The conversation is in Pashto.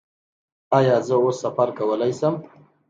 ایا زه اوس سفر کولی شم؟